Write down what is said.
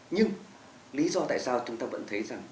nhưng lý do tại sao chúng ta vẫn thấy rằng